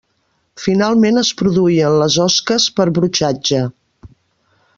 Finalment es produïen les osques per brotxatge.